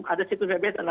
ada situs bbs